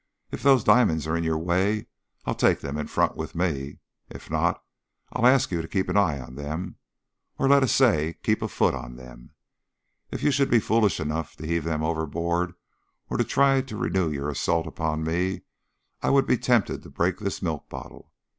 "If those diamonds are in your way, I'll take them in front with me. If not, I'll ask you to keep an eye on them or, let us say, keep a foot on them. If you should be foolish enough to heave them overboard or try to renew your assault upon me, I would be tempted to break this milk bottle.